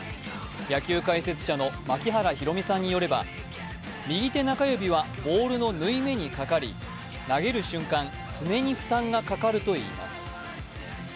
野球解説者の槙原寛己さんによれば、右手中指はボールの縫い目にかかり投げる瞬間、爪に負担がかかるといいます。